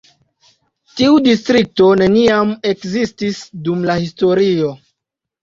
Tiu distrikto neniam ekzistis dum la historio.